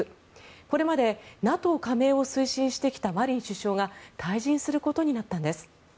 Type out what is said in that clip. これまでＮＡＴＯ加盟を推進してきたマリン首相が退陣することになったんです。